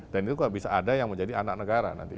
dan itu bisa ada yang menjadi anak negara nanti